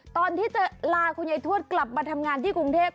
ตอนที่จะลาคุณยายทวดกลับมาทำงานที่กรุงเทพ